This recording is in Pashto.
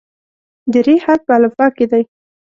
د "ر" حرف په الفبا کې دی.